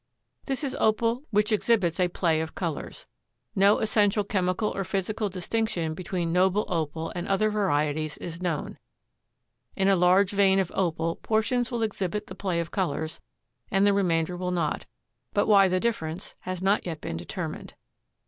This is Opal which exhibits a play of colors. No essential chemical or physical distinction between noble Opal and other varieties is known. In a large vein of Opal portions will exhibit the play of colors and the remainder will not, but why the difference has not yet been determined.